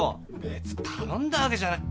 別に頼んだわけじゃない。